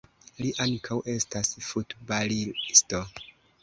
Li ankaŭ estas futbalisto.